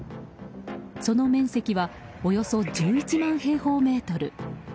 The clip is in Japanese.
その面積はおよそ１１万平方メートル。